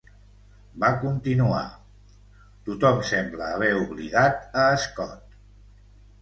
Va continuar, tothom sembla haver oblidat a Scott.